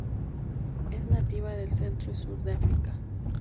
Es nativa del centro y sur de África.